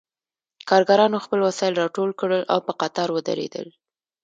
کارګرانو خپل وسایل راټول کړل او په قطار ودرېدل